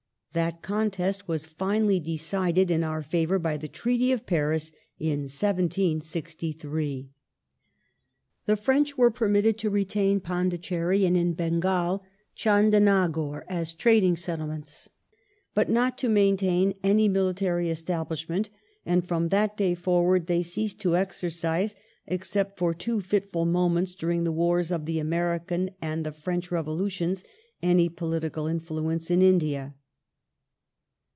That contest was finally decided in our favour by the Treaty of Paris (1763). The French were permitted to retain Pondicherri and, in Bengal, Chandenagore as trading settle ments, but not to maintain any mihtary establishment, and from that day forward they ceased to exercise — except for two fitful moments during the Wai*s of the American and the French Revolu tions— any political influence in India.